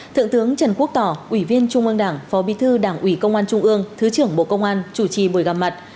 thượng tướng trần quốc tỏ ủy viên trung ương đảng phó bí thư đảng ủy công an trung ương thứ trưởng bộ công an chủ trì buổi gặp mặt